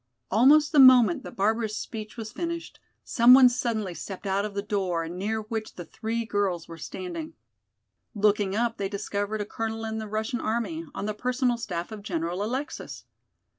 Almost the moment that Barbara's speech was finished, some one suddenly stepped out of the door, near which the three girls were standing. Looking up they discovered a colonel in the Russian army, on the personal staff of General Alexis.